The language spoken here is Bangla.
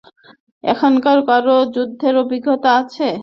এখানকার কারো যুদ্ধের অভিজ্ঞতা আছে?